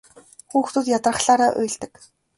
Хүүхдүүд ядрахлаараа уйлдаг.